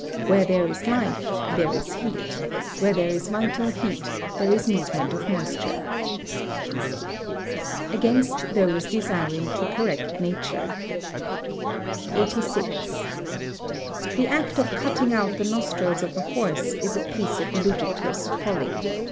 Where there is life there is heat, where there is vital heat there is movement of moisture. [Sidenote: Against those desiring to correct Nature] 86. The act of cutting out the nostrils of a horse is a piece of ludicrous folly.